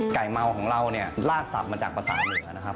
เมาของเราเนี่ยลากสับมาจากภาษาเหนือนะครับ